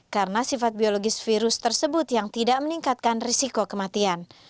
karena sifat biologis virus tersebut yang tidak meningkatkan risiko kematian